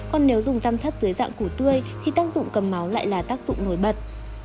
còn nếu dùng tam thất dưới dạng củ tươi thì tác dụng cầm máu lại là tác dụng nổi bật